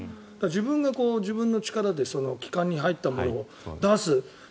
自分が自分の力で気管に入ったものを出す。